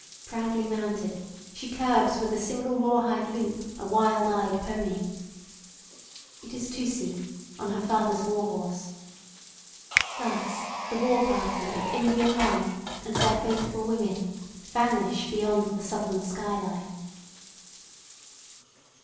Proudly mounted, she curbs with the single rawhide loop a wild eyed pony. It is Tusee on her father's warhorse. Thus the war party of Indian men and their faithful women vanish beyond the southern skyline.